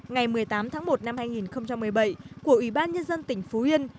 ngày một mươi tám tháng một năm hai nghìn một mươi bảy của ủy ban nhân dân tỉnh phú yên